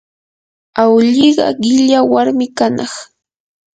awlliqa qilla warmi kanaq.